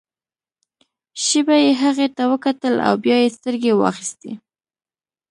شېبه يې هغې ته وکتل او بيا يې سترګې واخيستې.